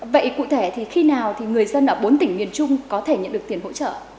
vậy cụ thể thì khi nào thì người dân ở bốn tỉnh miền trung có thể nhận được tiền hỗ trợ